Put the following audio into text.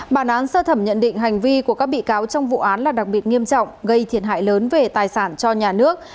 bản án sơ thẩm nhận định hành vi của các bị cáo trong vụ án là đặc biệt nghiêm trọng gây thiệt hại lớn về tài sản cho nhà nước